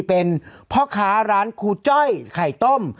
เป็นพ่อค้าร้านครูจ้อยไข่ต้ม